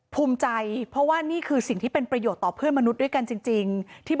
ภูมิใจเพราะว่านี่คือสิ่งที่เป็นประโยชน์ต่อเพื่อนมนุษย์ด้วยกันจริง